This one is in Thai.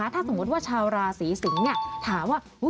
ถ้าสมมุติว่าชาวราศีสิงศ์ถามว่า